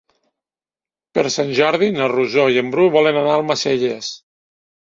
Per Sant Jordi na Rosó i en Bru volen anar a Almacelles.